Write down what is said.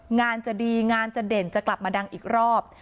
งานจะดีงานจะเด่นจะกลับมาดังอีกรอบ